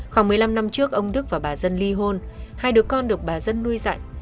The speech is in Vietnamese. khoảng một mươi năm năm trước ông đức và bà dân ly hôn hai đứa con được bà dân nuôi dạy